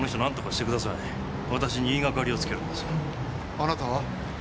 あなたは？